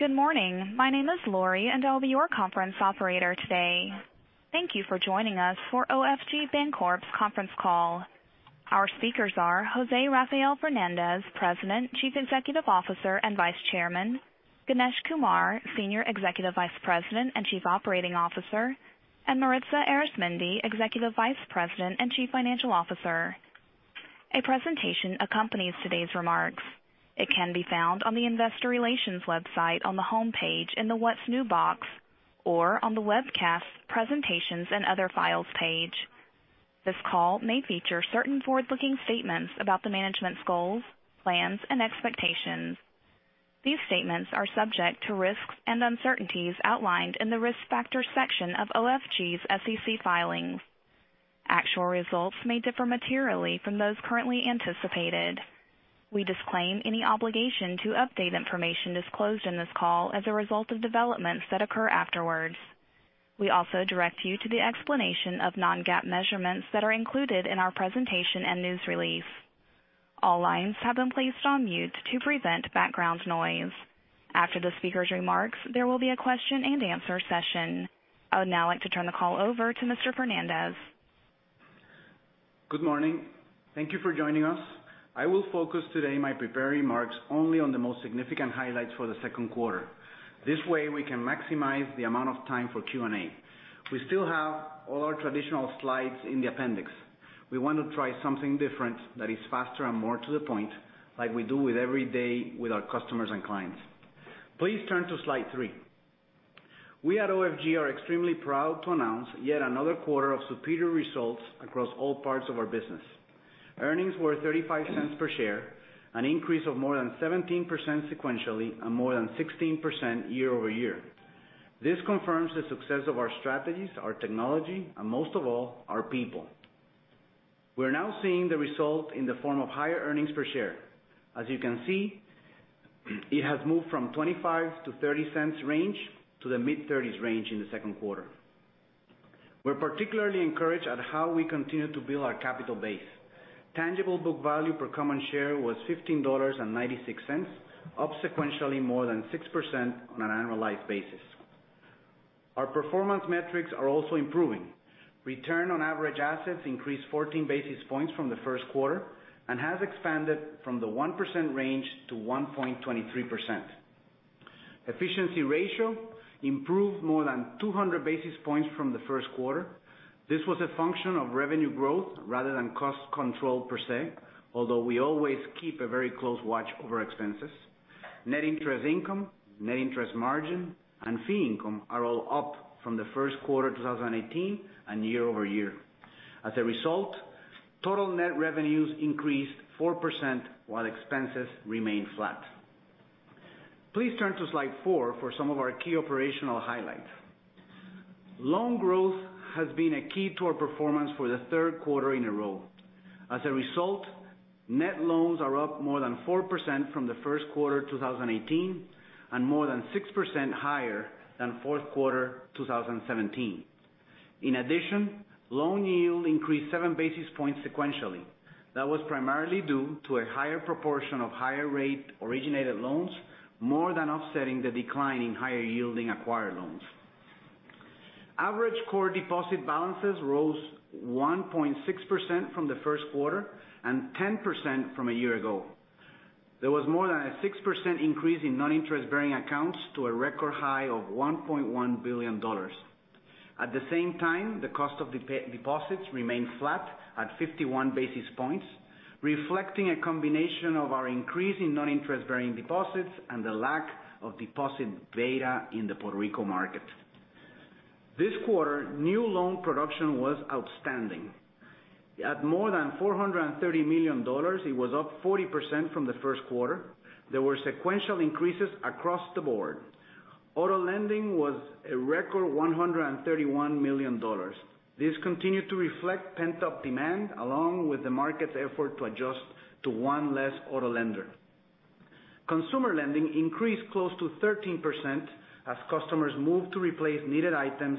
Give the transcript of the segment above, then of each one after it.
Good morning. My name is Lori, and I'll be your conference operator today. Thank you for joining us for OFG Bancorp's conference call. Our speakers are José Rafael Fernández, President, Chief Executive Officer, and Vice Chairman, Ganesh Kumar, Senior Executive Vice President and Chief Operating Officer, and Maritza Arizmendi, Executive Vice President and Chief Financial Officer. A presentation accompanies today's remarks. It can be found on the investor relations website on the homepage in the What's New box, or on the Webcasts, Presentations, & Other Files page. This call may feature certain forward-looking statements about the management's goals, plans, and expectations. These statements are subject to risks and uncertainties outlined in the Risk Factors section of OFG's SEC filings. Actual results may differ materially from those currently anticipated. We disclaim any obligation to update information disclosed in this call as a result of developments that occur afterwards. We also direct you to the explanation of non-GAAP measurements that are included in our presentation and news release. All lines have been placed on mute to prevent background noise. After the speakers' remarks, there will be a question and answer session. I would now like to turn the call over to Mr. Fernandez. Good morning. Thank you for joining us. I will focus today my prepared remarks only on the most significant highlights for the second quarter. This way, we can maximize the amount of time for Q&A. We still have all our traditional slides in the appendix. We want to try something different that is faster and more to the point, like we do every day with our customers and clients. Please turn to slide three. We at OFG are extremely proud to announce yet another quarter of superior results across all parts of our business. Earnings were $0.35 per share, an increase of more than 17% sequentially and more than 16% year-over-year. This confirms the success of our strategies, our technology, and most of all, our people. We are now seeing the result in the form of higher earnings per share. As you can see, it has moved from $0.25-$0.30 range to the mid-$0.30s range in the second quarter. We're particularly encouraged at how we continue to build our capital base. Tangible book value per common share was $15.96, up sequentially more than 6% on an annualized basis. Our performance metrics are also improving. Return on average assets increased 14 basis points from the first quarter and has expanded from the 1% range to 1.23%. Efficiency ratio improved more than 200 basis points from the first quarter. This was a function of revenue growth rather than cost control per se, although we always keep a very close watch over expenses. Net interest income, net interest margin, and fee income are all up from the first quarter 2018 and year-over-year. As a result, total net revenues increased 4% while expenses remained flat. Please turn to slide four for some of our key operational highlights. Loan growth has been a key to our performance for the third quarter in a row. As a result, net loans are up more than 4% from the first quarter 2018 and more than 6% higher than fourth quarter 2017. In addition, loan yield increased seven basis points sequentially. That was primarily due to a higher proportion of higher rate originated loans, more than offsetting the decline in higher yielding acquired loans. Average core deposit balances rose 1.6% from the first quarter and 10% from a year ago. There was more than a 6% increase in non-interest-bearing accounts to a record high of $1.1 billion. At the same time, the cost of deposits remained flat at 51 basis points, reflecting a combination of our increase in non-interest-bearing deposits and the lack of deposit beta in the Puerto Rico market. This quarter, new loan production was outstanding. At more than $430 million, it was up 40% from the first quarter. There were sequential increases across the board. Auto lending was a record $131 million. This continued to reflect pent-up demand, along with the market's effort to adjust to one less auto lender. Consumer lending increased close to 13% as customers moved to replace needed items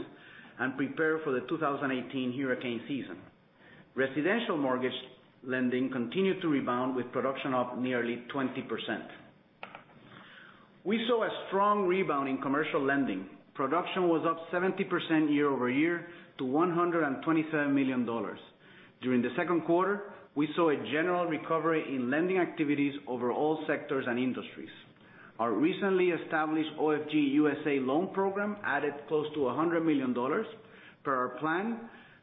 and prepare for the 2018 hurricane season. Residential mortgage lending continued to rebound with production up nearly 20%. We saw a strong rebound in commercial lending. Production was up 70% year-over-year to $127 million. During the second quarter, we saw a general recovery in lending activities over all sectors and industries. Our recently established OFG USA loan program added close to $100 million. Per our plan,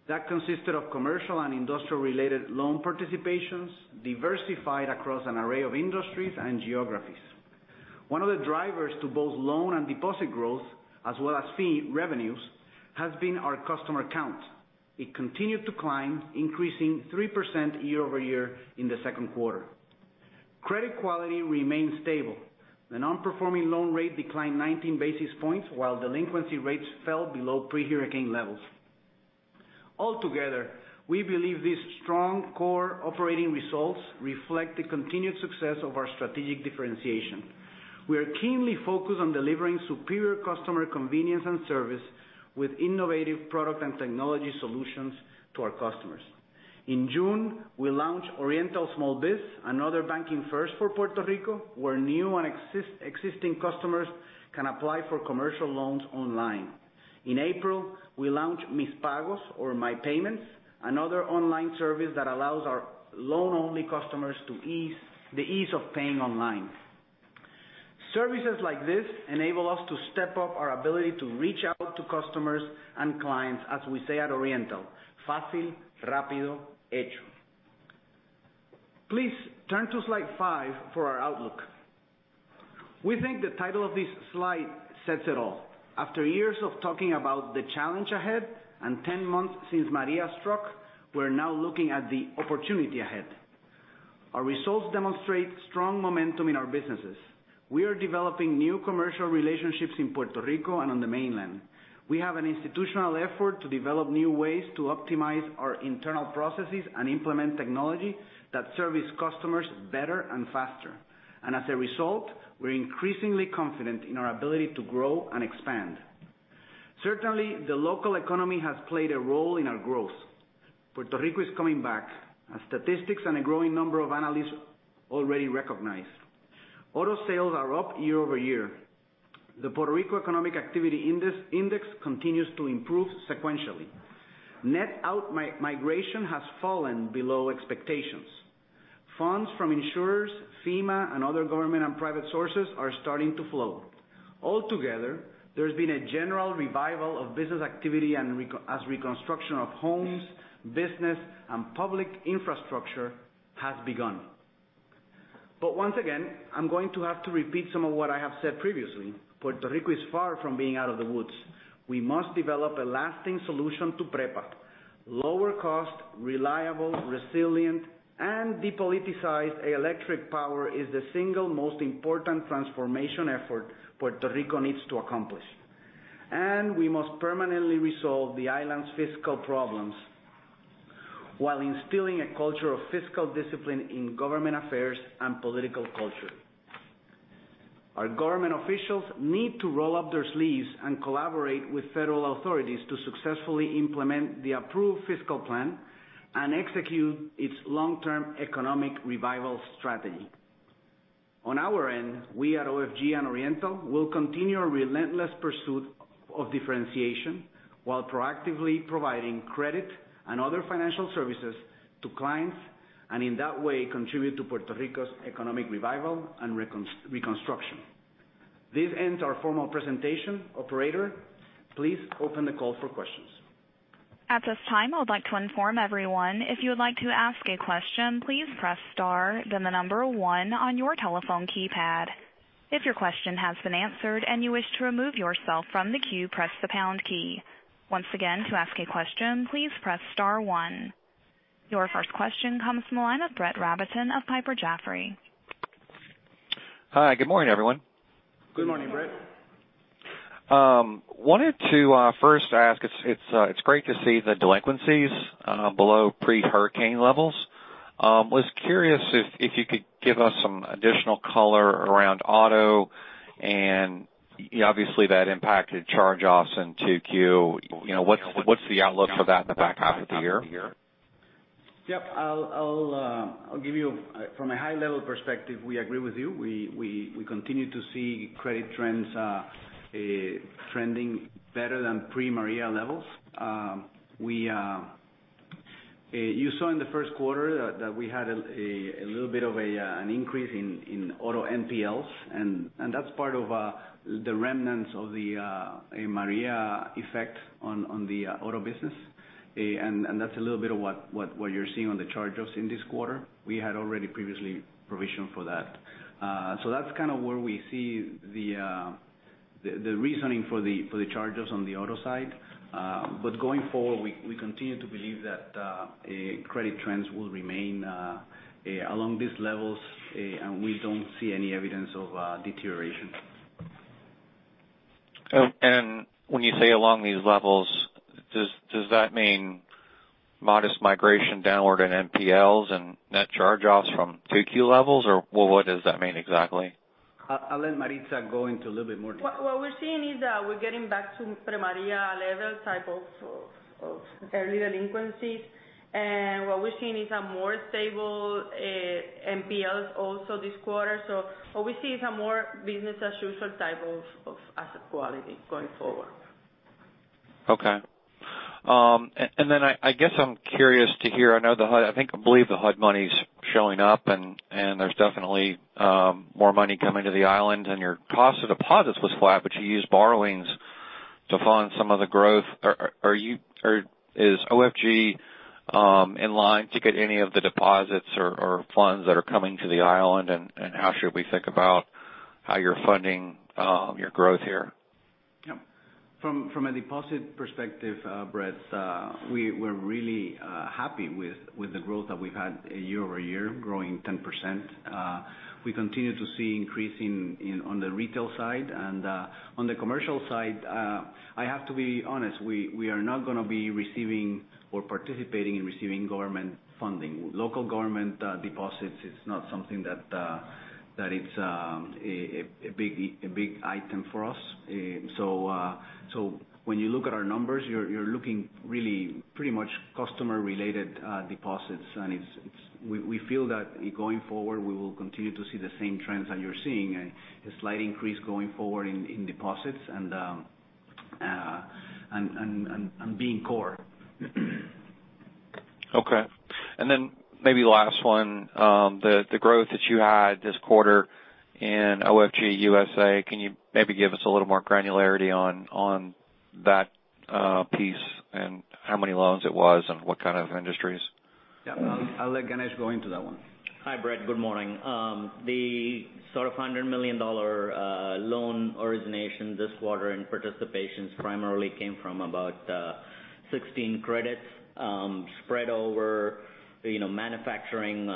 that consisted of commercial and industrial-related loan participations diversified across an array of industries and geographies. One of the drivers to both loan and deposit growth, as well as fee revenues, has been our customer count. It continued to climb, increasing 3% year-over-year in the second quarter. Credit quality remained stable. The non-performing loan rate declined 19 basis points while delinquency rates fell below pre-hurricane levels. Altogether, we believe these strong core operating results reflect the continued success of our strategic differentiation. We are keenly focused on delivering superior customer convenience and service with innovative product and technology solutions to our customers. In June, we launched Oriental SmallBiz, another banking first for Puerto Rico, where new and existing customers can apply for commercial loans online. In April, we launched Mis Pagos, or My Payments, another online service that allows our loan-only customers the ease of paying online. Services like this enable us to step up our ability to reach out to customers and clients, as we say at Oriental. Please turn to slide five for our outlook. We think the title of this slide says it all. After years of talking about the challenge ahead, and 10 months since Maria struck, we're now looking at the opportunity ahead. Our results demonstrate strong momentum in our businesses. We are developing new commercial relationships in Puerto Rico and on the mainland. We have an institutional effort to develop new ways to optimize our internal processes and implement technology that service customers better and faster. As a result, we're increasingly confident in our ability to grow and expand. Certainly, the local economy has played a role in our growth. Puerto Rico is coming back, as statistics and a growing number of analysts already recognize. Auto sales are up year-over-year. The Puerto Rico Economic Activity Index continues to improve sequentially. Net out-migration has fallen below expectations. Funds from insurers, FEMA, and other government and private sources are starting to flow. Altogether, there's been a general revival of business activity as reconstruction of homes, business, and public infrastructure has begun. Once again, I'm going to have to repeat some of what I have said previously. Puerto Rico is far from being out of the woods. We must develop a lasting solution to PREPA. Lower cost, reliable, resilient, and depoliticized electric power is the single most important transformation effort Puerto Rico needs to accomplish. We must permanently resolve the island's fiscal problems while instilling a culture of fiscal discipline in government affairs and political culture. Our government officials need to roll up their sleeves and collaborate with federal authorities to successfully implement the approved fiscal plan and execute its long-term economic revival strategy. On our end, we at OFG and Oriental will continue our relentless pursuit of differentiation while proactively providing credit and other financial services to clients, and in that way, contribute to Puerto Rico's economic revival and reconstruction. This ends our formal presentation. Operator, please open the call for questions. At this time, I would like to inform everyone if you would like to ask a question, please press star 1 on your telephone keypad. If your question has been answered and you wish to remove yourself from the queue, press the pound key. Once again, to ask a question, please press star 1. Your first question comes from the line of Brett Rabatin of Piper Jaffray. Hi, good morning, everyone. Good morning, Brett. Wanted to first ask, it's great to see the delinquencies below pre-hurricane levels. Was curious if you could give us some additional color around auto, and obviously that impacted charge-offs in 2Q. What's the outlook for that in the back half of the year? Yep. From a high-level perspective, we agree with you. We continue to see credit trends trending better than pre-Maria levels. You saw in the first quarter that we had a little bit of an increase in auto NPLs, and that's part of the remnants of a Maria effect on the auto business. That's a little bit of what you're seeing on the charge-offs in this quarter. We had already previously provisioned for that. That's kind of where we see the reasoning for the charge-offs on the auto side. Going forward, we continue to believe that credit trends will remain along these levels, and we don't see any evidence of deterioration. When you say along these levels, does that mean modest migration downward in NPLs and net charge-offs from 2Q levels? What does that mean exactly? I'll let Maritza go into a little bit more detail. What we're seeing is that we're getting back to pre-Maria level type of early delinquencies. What we're seeing is a more stable NPLs also this quarter. What we see is a more business as usual type of asset quality going forward. Okay. I guess I'm curious to hear, I believe the HUD money's showing up and there's definitely more money coming to the island and your cost of deposits was flat, you used borrowings to fund some of the growth. Is OFG in line to get any of the deposits or funds that are coming to the island? How should we think about how you're funding your growth here? Yeah. From a deposit perspective, Brett, we're really happy with the growth that we've had year-over-year, growing 10%. We continue to see increase on the retail side. On the commercial side, I have to be honest, we are not going to be receiving or participating in receiving government funding. Local government deposits is not something that is a big item for us. When you look at our numbers, you're looking really pretty much customer-related deposits. We feel that going forward, we will continue to see the same trends that you're seeing, a slight increase going forward in deposits and being core. Okay. Maybe last one, the growth that you had this quarter in OFG USA, can you maybe give us a little more granularity on that piece and how many loans it was and what kind of industries? Yeah. I'll let Ganesh go into that one. Hi, Brett. Good morning. The sort of $100 million loan origination this quarter in participations primarily came from about 16 credits spread over manufacturing,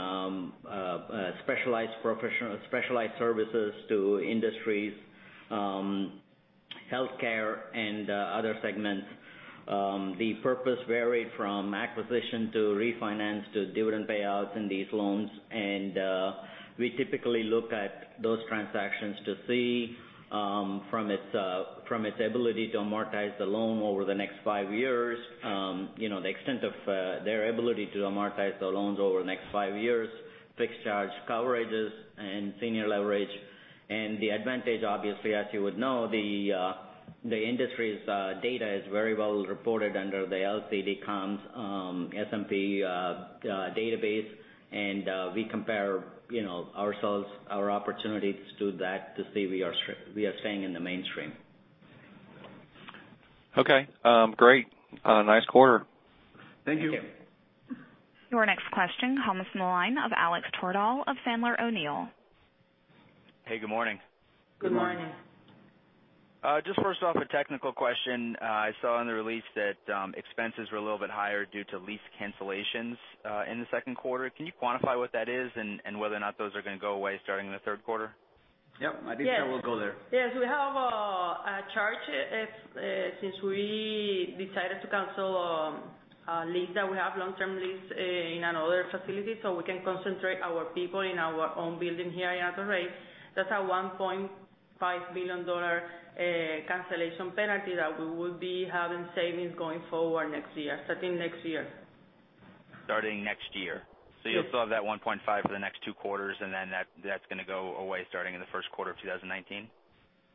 specialized professional services to industries, healthcare, and other segments. The purpose varied from acquisition to refinance to dividend payouts in these loans. We typically look at those transactions to see from its ability to amortize the loan over the next five years, the extent of their ability to amortize the loans over the next five years, fixed charge coverages, and senior leverage. The advantage obviously, as you would know, the industry's data is very well reported under the LCD Comps S&P database. We compare ourselves, our opportunities to that to see we are staying in the mainstream. Okay. Great. Nice quarter. Thank you. Thank you. Your next question comes from the line of Alex Twerdahl of Sandler O'Neill. Hey, good morning. Good morning. Good morning. Just first off, a technical question. I saw in the release that expenses were a little bit higher due to lease cancellations in the second quarter. Can you quantify what that is and whether or not those are going to go away starting in the third quarter? Yep. Maritza will go there. Yes. We have a charge since we decided to cancel a lease that we have, long-term lease in another facility, so we can concentrate our people in our own building here in Hato Rey. That's a $1.5 million cancellation penalty that we will be having savings going forward next year, starting next year. Starting next year. Yes. You'll still have that $1.5 million for the next two quarters, and then that's going to go away starting in the first quarter of 2019?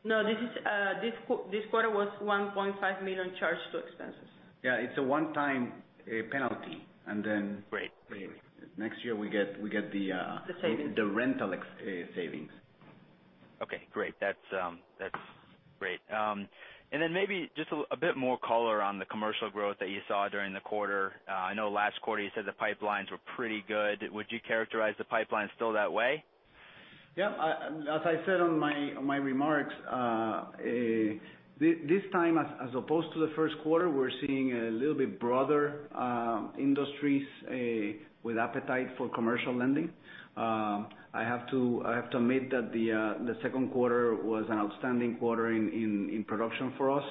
No, this quarter was $1.5 million charge to expenses. Yeah, it's a one-time penalty. Great next year we get the The savings the rental savings. Okay, great. That's great. Then maybe just a bit more color on the commercial growth that you saw during the quarter. I know last quarter you said the pipelines were pretty good. Would you characterize the pipeline still that way? Yeah. As I said on my remarks, this time as opposed to the first quarter, we're seeing a little bit broader industries with appetite for commercial lending. I have to admit that the second quarter was an outstanding quarter in production for us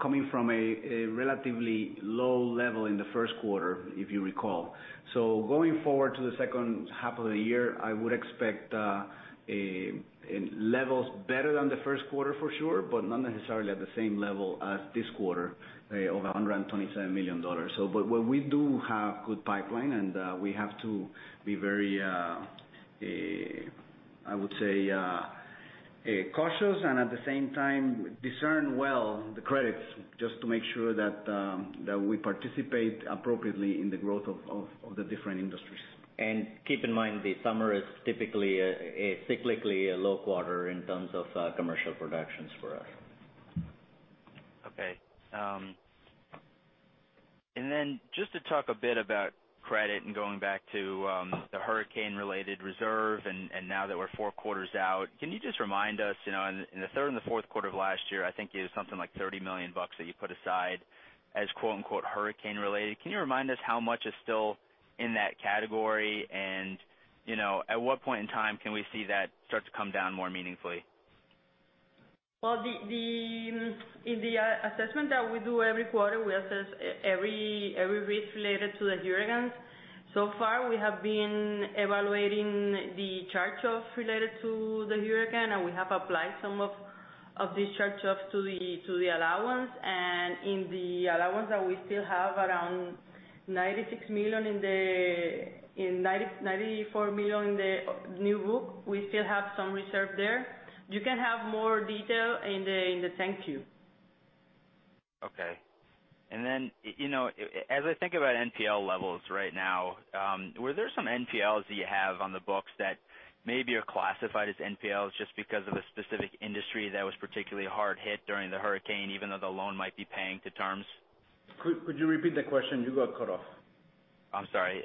coming from a relatively low level in the first quarter, if you recall. Going forward to the second half of the year, I would expect levels better than the first quarter for sure, but not necessarily at the same level as this quarter of $127 million. We do have good pipeline, and we have to be very, I would say cautious, and at the same time discern well the credits just to make sure that we participate appropriately in the growth of the different industries. Keep in mind, the summer is typically a cyclically low quarter in terms of commercial productions for us. Okay. Then just to talk a bit about credit and going back to the hurricane-related reserve and now that we're four quarters out, can you just remind us, in the third and the fourth quarter of last year, I think it was something like $30 million that you put aside as "hurricane related". Can you remind us how much is still in that category and at what point in time can we see that start to come down more meaningfully? Well, in the assessment that we do every quarter, we assess every risk related to the hurricanes. So far, we have been evaluating the charge-off related to the hurricane, and we have applied some of this charge-off to the allowance. In the allowance that we still have around $94 million in the new book, we still have some reserve there. You can have more detail in the 10-Q. Okay. As I think about NPL levels right now, were there some NPLs that you have on the books that maybe are classified as NPLs just because of a specific industry that was particularly hard hit during the hurricane, even though the loan might be paying to terms? Could you repeat the question? You got cut off. I'm sorry.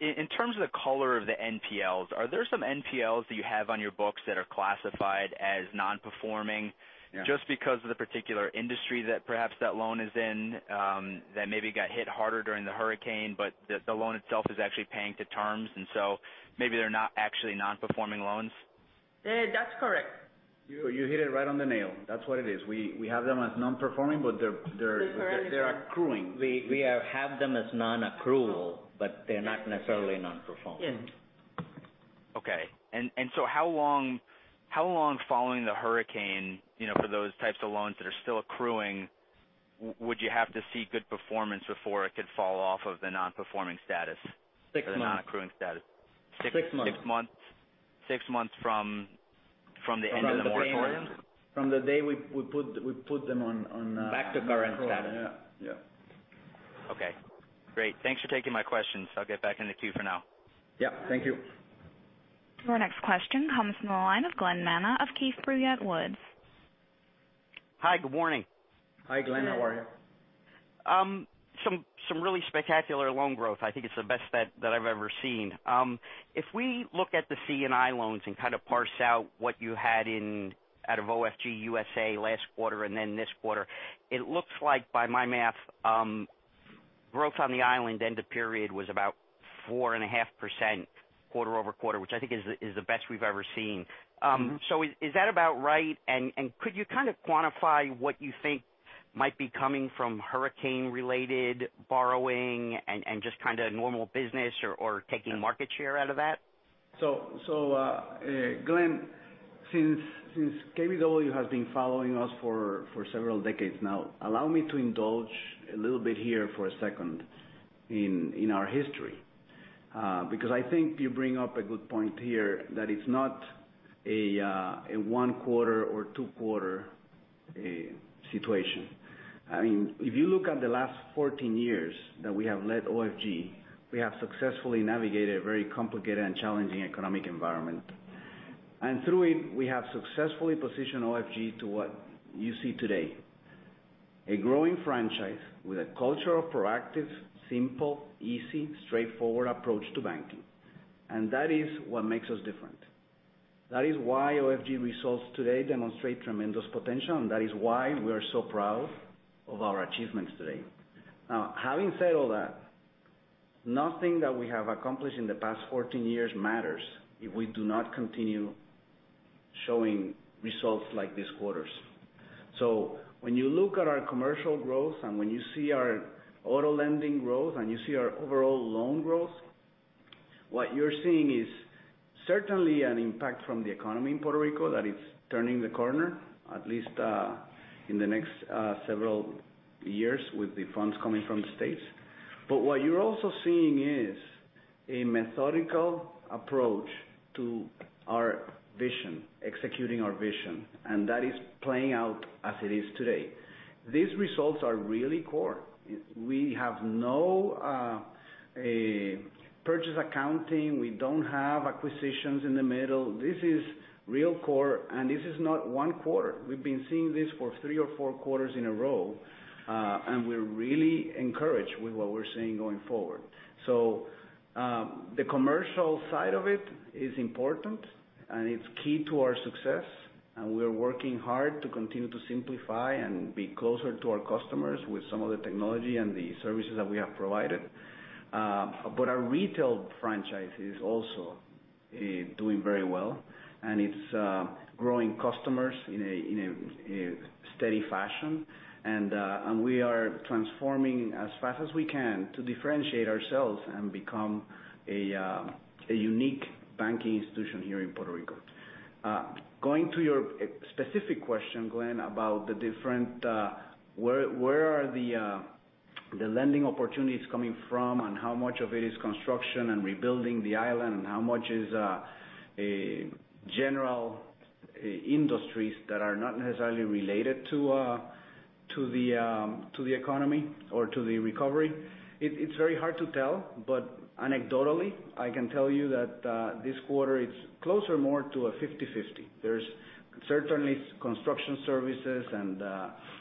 In terms of the color of the NPLs, are there some NPLs that you have on your books that are classified as non-performing- Yeah just because of the particular industry that perhaps that loan is in that maybe got hit harder during the Hurricane, but the loan itself is actually paying to terms, and so maybe they're not actually Non-Performing Loans? That's correct. You hit it right on the nail. That's what it is. We have them as Non-Performing, but they're accruing. We have them as non-accrual, but they're not necessarily Non-Performing. Yes. Okay. How long following the hurricane for those types of loans that are still accruing, would you have to see good performance before it could fall off of the non-performing status? Six months. The non-accruing status. Six months. Six months from the end of the moratorium? From the day we put them on. Back to current status. Yeah. Okay, great. Thanks for taking my questions. I'll get back in the queue for now. Yeah, thank you. Our next question comes from the line of Glen Manna of Keefe, Bruyette & Woods. Hi, good morning. Hi, Glen. How are you? Some really spectacular loan growth. I think it's the best that I've ever seen. If we look at the C&I loans and kind of parse out what you had out of OFG USA last quarter and then this quarter, it looks like by my math, growth on the island end of period was about 4.5% quarter-over-quarter, which I think is the best we've ever seen. Is that about right? Could you kind of quantify what you think might be coming from hurricane-related borrowing and just kind of normal business or taking market share out of that? Glenn, since KBW has been following us for several decades now, allow me to indulge a little bit here for a second in our history. Because I think you bring up a good point here that it's not a one quarter or two quarter situation. If you look at the last 14 years that we have led OFG, we have successfully navigated a very complicated and challenging economic environment. Through it, we have successfully positioned OFG to what you see today. A growing franchise with a culture of proactive, simple, easy, straightforward approach to banking. That is what makes us different. That is why OFG results today demonstrate tremendous potential, and that is why we are so proud of our achievements today. Having said all that, nothing that we have accomplished in the past 14 years matters if we do not continue showing results like this quarter's. When you look at our commercial growth, when you see our auto lending growth, and you see our overall loan growth, what you're seeing is certainly an impact from the economy in Puerto Rico that is turning the corner, at least in the next several years with the funds coming from the States. What you're also seeing is a methodical approach to our vision, executing our vision, and that is playing out as it is today. These results are really core. We have no purchase accounting. We don't have acquisitions in the middle. This is real core, and this is not one quarter. We've been seeing this for three or four quarters in a row. We're really encouraged with what we're seeing going forward. The commercial side of it is important, and it's key to our success, and we're working hard to continue to simplify and be closer to our customers with some of the technology and the services that we have provided. Our retail franchise is also doing very well, and it's growing customers in a steady fashion. We are transforming as fast as we can to differentiate ourselves and become a unique banking institution here in Puerto Rico. Going to your specific question, Glen, about the different where are the lending opportunities coming from and how much of it is construction and rebuilding the island, and how much is general industries that are not necessarily related to the economy or to the recovery. It's very hard to tell, but anecdotally, I can tell you that this quarter is closer more to a 50/50. There's certainly construction services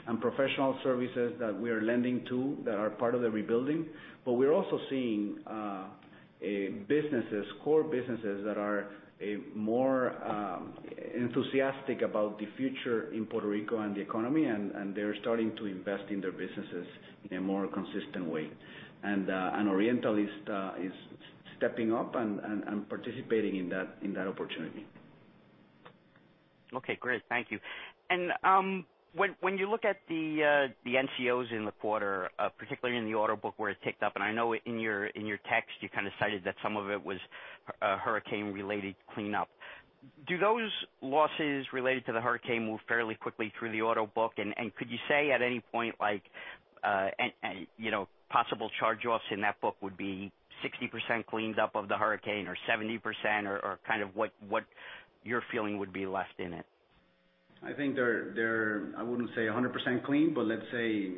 and professional services that we are lending to that are part of the rebuilding. We're also seeing core businesses that are more enthusiastic about the future in Puerto Rico and the economy, and they're starting to invest in their businesses in a more consistent way. Oriental is stepping up and participating in that opportunity. Okay, great. Thank you. When you look at the NCOs in the quarter, particularly in the auto book where it ticked up, and I know in your text you kind of cited that some of it was Hurricane-related cleanup. Do those losses related to the Hurricane move fairly quickly through the auto book? Could you say at any point, possible charge-offs in that book would be 60% cleaned up of the Hurricane or 70% or kind of what your feeling would be left in it? I think they're, I wouldn't say 100% clean, but let's say,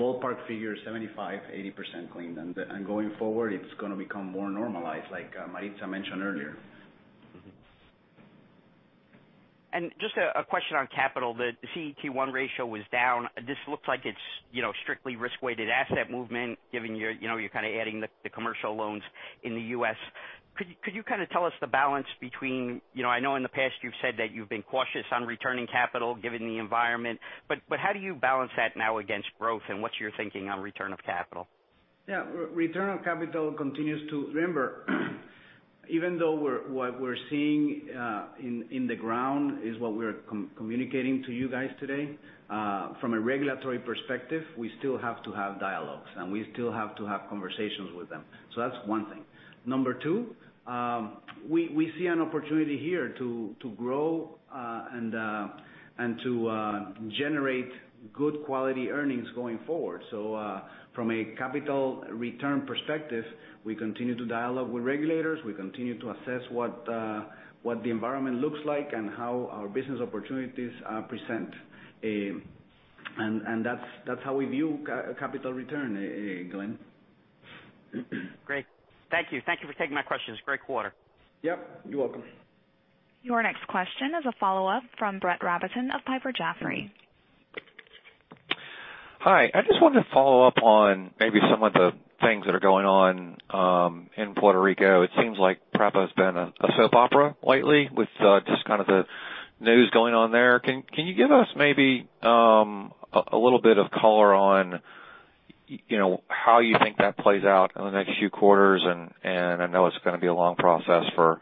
ballpark figure, 75%, 80% clean. Going forward, it's going to become more normalized, like Maritza mentioned earlier. Just a question on capital. The CET1 ratio was down. This looks like it's strictly risk-weighted asset movement, given you're kind of adding the commercial loans in the U.S. Could you kind of tell us the balance between, I know in the past you've said that you've been cautious on returning capital given the environment. How do you balance that now against growth, and what's your thinking on return of capital? Return of capital continues. Remember, even though what we're seeing in the ground is what we're communicating to you guys today. From a regulatory perspective, we still have to have dialogues, and we still have to have conversations with them. That's one thing. Number two, we see an opportunity here to grow and to generate good quality earnings going forward. From a capital return perspective, we continue to dialogue with regulators. We continue to assess what the environment looks like and how our business opportunities present. That's how we view capital return, Glen. Great. Thank you. Thank you for taking my questions. Great quarter. You're welcome. Your next question is a follow-up from Brett Rabatin of Piper Jaffray. Hi. I just wanted to follow up on maybe some of the things that are going on in Puerto Rico. It seems like PREPA has been a soap opera lately with just kind of the news going on there. Can you give us maybe a little bit of color on how you think that plays out in the next few quarters? I know it's going to be a long process for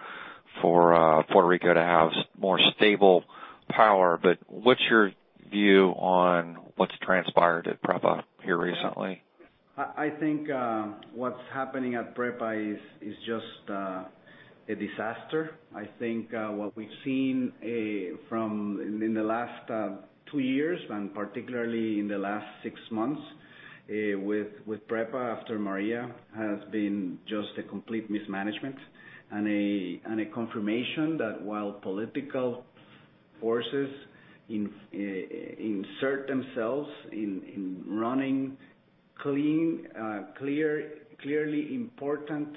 Puerto Rico to have more stable power, but what's your view on what's transpired at PREPA here recently? I think what's happening at PREPA is just a disaster. I think what we've seen in the last two years, and particularly in the last six months with PREPA after Maria, has been just a complete mismanagement and a confirmation that while political forces insert themselves in running clean, clearly important,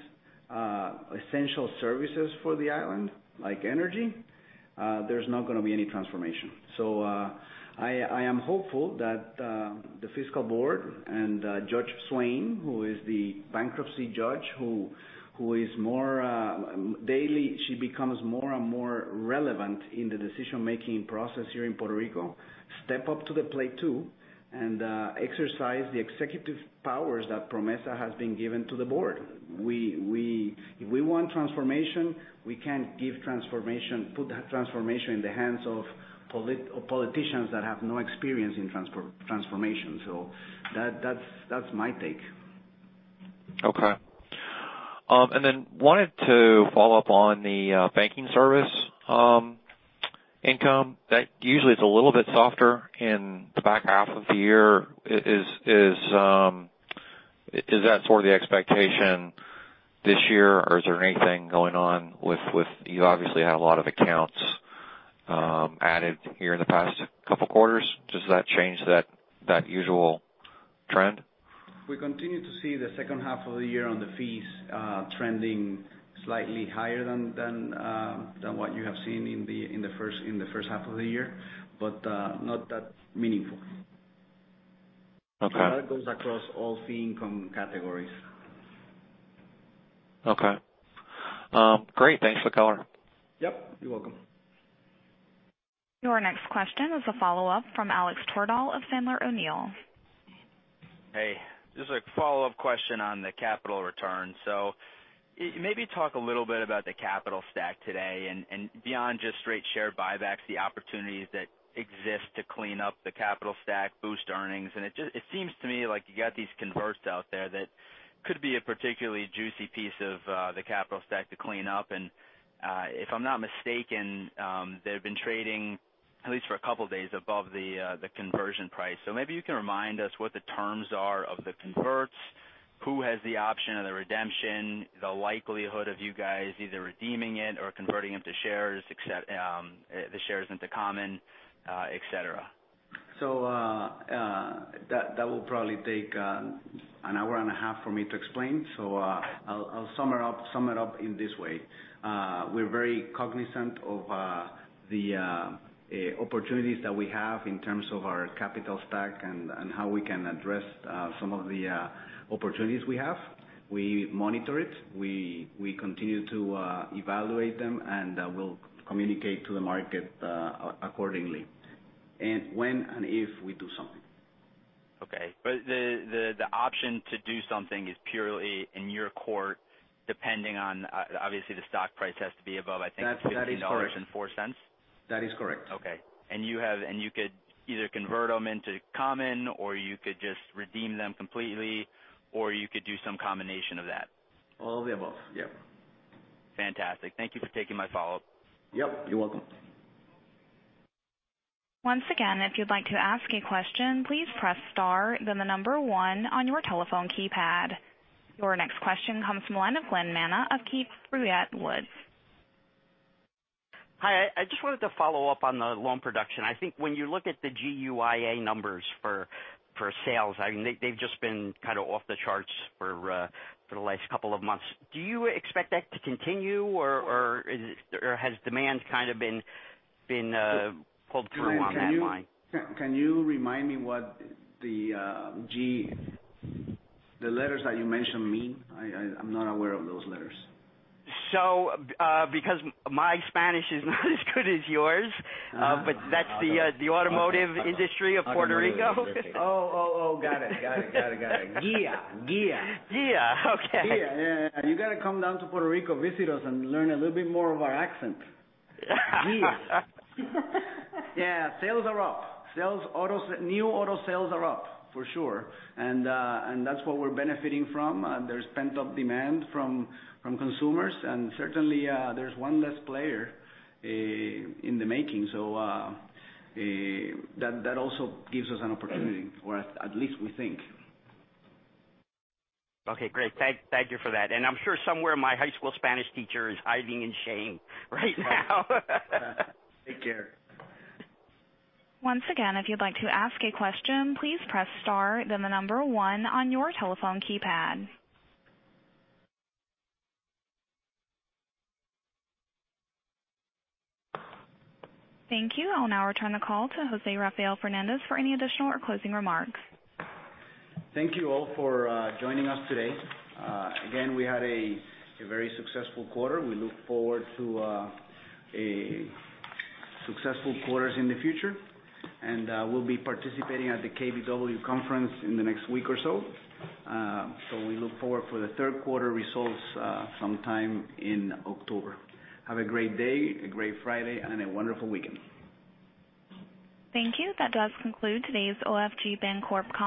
essential services for the island, like energy, there's not going to be any transformation. I am hopeful that the fiscal board and Judge Swain, who is the bankruptcy judge, who daily she becomes more and more relevant in the decision-making process here in Puerto Rico, step up to the plate, too, and exercise the executive powers that PROMESA has been given to the board. If we want transformation, we can't put transformation in the hands of politicians that have no experience in transformation. That's my take. Okay. Wanted to follow up on the banking service income. That usually is a little bit softer in the back half of the year. Is that sort of the expectation this year? Is there anything going on? You obviously had a lot of accounts added here in the past couple of quarters. Does that change that usual trend? We continue to see the second half of the year on the fees trending slightly higher than what you have seen in the first half of the year, but not that meaningful. Okay. That goes across all fee income categories. Okay. Great. Thanks for coloring. Yep, you're welcome. Your next question is a follow-up from Alex Twerdahl of Sandler O'Neill. Hey. Just a follow-up question on the capital return. Maybe talk a little bit about the capital stack today and beyond just straight share buybacks, the opportunities that exist to clean up the capital stack, boost earnings. It seems to me like you got these converts out there that could be a particularly juicy piece of the capital stack to clean up. If I'm not mistaken, they've been trading at least for a couple of days above the conversion price. Maybe you can remind us what the terms are of the converts. Who has the option of the redemption, the likelihood of you guys either redeeming it or converting the shares into common, et cetera. That will probably take an hour and a half for me to explain. I'll sum it up in this way. We're very cognizant of the opportunities that we have in terms of our capital stack and how we can address some of the opportunities we have. We monitor it, we continue to evaluate them, and we'll communicate to the market accordingly, and when and if we do something. Okay. The option to do something is purely in your court, depending on, obviously, the stock price has to be above, I think. That is correct. $15.04? That is correct. Okay. You could either convert them into common, or you could just redeem them completely, or you could do some combination of that. All of the above. Yep. Fantastic. Thank you for taking my follow-up. Yep, you're welcome. Once again, if you'd like to ask a question, please press star, then the number one on your telephone keypad. Your next question comes from the line of Glen Manna of Keefe, Bruyette & Woods. Hi. I just wanted to follow up on the loan production. I think when you look at the GUIA numbers for sales, they've just been kind of off the charts for the last couple of months. Do you expect that to continue, or has demand kind of been pulled through on that line? Can you remind me what the letters that you mentioned mean? I'm not aware of those letters. Because my Spanish is not as good as yours. No. That's the automotive industry of Puerto Rico. Oh, got it. GUIA. GUIA. Okay. GUIA. Yeah. You got to come down to Puerto Rico, visit us, and learn a little bit more of our accent. GUIA. Yeah. Sales are up. New auto sales are up, for sure. That's what we're benefiting from. There's pent-up demand from consumers, and certainly, there's one less player in the making. That also gives us an opportunity, or at least we think. Okay, great. Thank you for that. I'm sure somewhere my high school Spanish teacher is hiding in shame right now. Take care. Once again, if you'd like to ask a question, please press star, then the number one on your telephone keypad. Thank you. I'll now return the call to José Rafael Fernández for any additional or closing remarks. Thank you all for joining us today. Again, we had a very successful quarter. We look forward to successful quarters in the future, and we'll be participating at the KBW conference in the next week or so. We look forward for the third quarter results sometime in October. Have a great day, a great Friday, and a wonderful weekend. Thank you. That does conclude today's OFG Bancorp call.